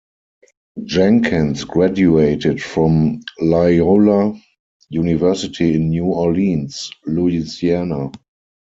Jenkins graduated from Loyola University in New Orleans, Louisiana.